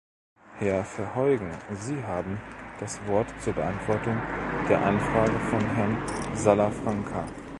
Herr Verheugen, Sie haben das Wort zur Beantwortung der Anfrage von Herrn Salafranca.